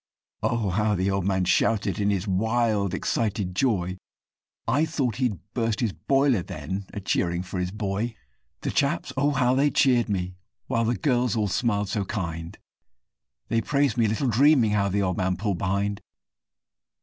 Oh! how the old man shouted in his wild, excited joy! I thought he'd burst his boiler then, a cheering for his boy; The chaps, oh! how they cheered me, while the girls all smiled so kind, They praised me, little dreaming, how the old man pulled behind.